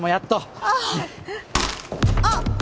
あっ！